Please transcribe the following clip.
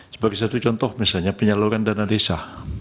sebagai satu contoh misalnya penyaluran dana desa